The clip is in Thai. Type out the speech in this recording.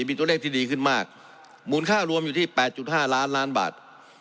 มีตัวเลขที่ดีขึ้นมากมูลค่ารวมอยู่ที่๘๕ล้านล้านบาท